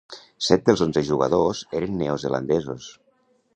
Set dels onze jugadors eren neozelandesos.